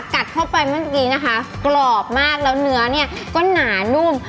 กัดเข้าไปเมื่อกี้นะคะกรอบมากแล้วเนื้อเนี่ยก็หนานุ่ม